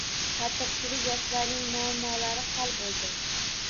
Xatirchilik yoshlarning muammolari hal bo‘ldi